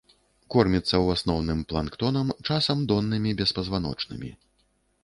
Корміцца ў асноўным планктонам, часам доннымі беспазваночнымі.